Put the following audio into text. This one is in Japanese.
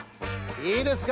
いいですか？